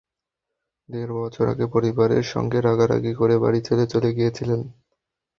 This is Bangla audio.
দেড় বছর আগে পরিবারের সঙ্গে রাগারাগি করে বাড়ি ছেড়ে চলে গিয়েছিলেন।